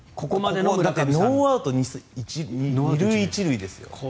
ノーアウト２塁１塁ですよ。